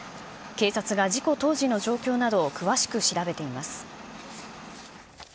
警察が事故当時の状況などを詳しく調べています。